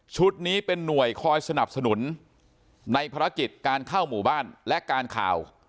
นี้เป็นหน่วยคอยสนับสนุนในภารกิจการเข้าหมู่บ้านและการข่าว